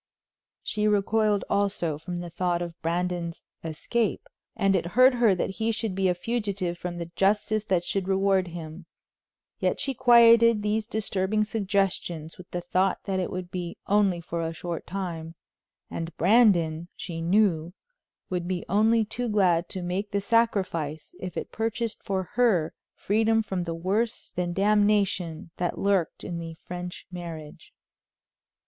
She recoiled also from the thought of Brandon's "escape," and it hurt her that he should be a fugitive from the justice that should reward him, yet she quieted these disturbing suggestions with the thought that it would be only for a short time, and Brandon, she knew, would be only too glad to make the sacrifice if it purchased for her freedom from the worse than damnation that lurked in the French marriage.